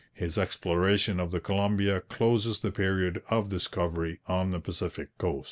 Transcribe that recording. His exploration of the Columbia closes the period of discovery on the Pacific coast.